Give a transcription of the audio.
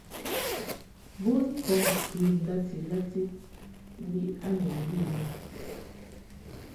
Bon kɔŋ kə ndati lati mbi a ni ləm a.